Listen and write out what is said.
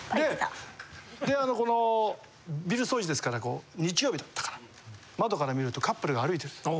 であのこのビル掃除ですから日曜日だったから窓から見るとカップルが歩いてるんです。